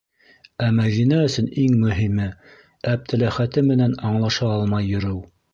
Ә Мәҙинә өсөн иң мөһиме - Әптеләхәте менән аңлаша алмай йөрөү.